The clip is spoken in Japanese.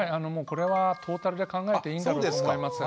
これはトータルで考えていいんだろうと思います。